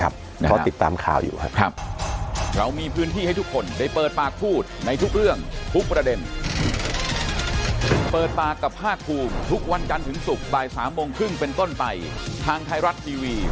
เพราะติดตามข่าวอยู่ครับ